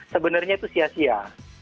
sebenarnya itu sia sia